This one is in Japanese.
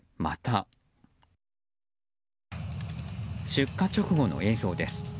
出火直後の映像です。